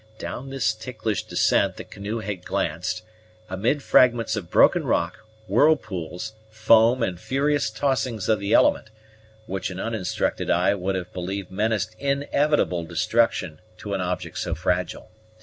Down this ticklish descent the canoe had glanced, amid fragments of broken rock, whirlpools, foam, and furious tossings of the element, which an uninstructed eye would believe menaced inevitable destruction to an object so fragile.